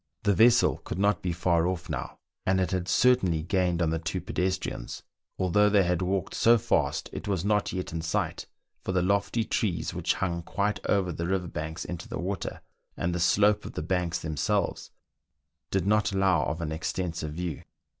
The vessel could not be far off now, and it had certainly gained on the two pedestrians, although they had walked so fast ; it was • not yet in sight, for the lofty trees which hung quite over the river banks into the water, and the slope of the banks themselves, did not allow of an extensive view.